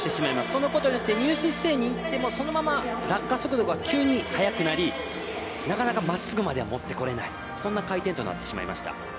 そのことによって入水姿勢にいってもそのまま落下速度が急に速くなり、なかなかまっすぐまではもってこれないそんな回転となってしまいました。